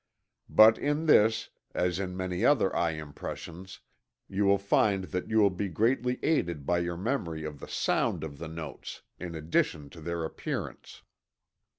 But in this, as in many other eye impressions, you will find that you will be greatly aided by your memory of the sound of the notes, in addition to their appearance.